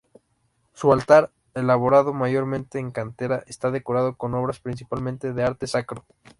Su altar, elaborado mayormente de cantera está decorado con obras principalmente de arte sacro.